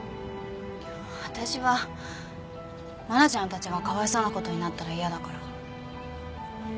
私は真菜ちゃんたちがかわいそうなことになったら嫌だから。